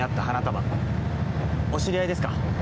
お知り合いですか？